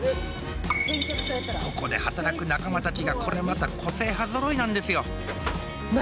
ここで働く仲間たちがこれまた個性派ぞろいなんですよ